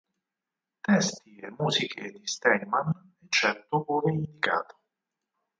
Testi e musiche di Steinman, eccetto ove indicato.